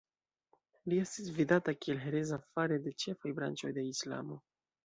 Li estis vidata kiel hereza fare de ĉefaj branĉoj de Islamo.